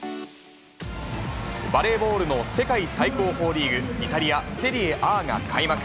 バレーボールの世界最高峰リーグ、イタリアセリエＡが開幕。